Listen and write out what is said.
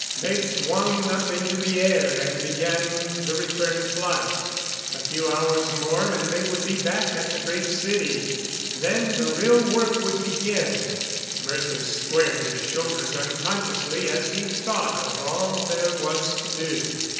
They swung up into the air and began the return flight. A few hours more and they would be back at the Great City. Then the real work would begin. Mercer squared his shoulders unconsciously as he thought of all there was to do.